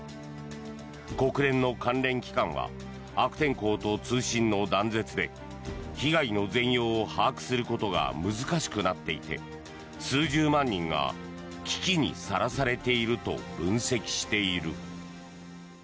国連の関連機関は悪天候と通信の断絶で被害の全容の把握することが難しくなっていて数十万人が危機にさらされていると分析している。